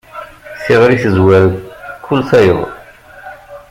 Tiɣri tezwar kul tayeḍ.